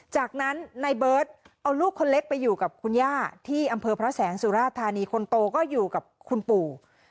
จากนั้นในเบิร์ตเอาลูกคนเล็กไปอยู่กับคุณย่าที่อำเภอพระแสงสุราธานีคนโตก็อยู่กับคุณปู่